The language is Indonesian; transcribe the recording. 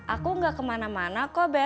aku gak kemana mana kok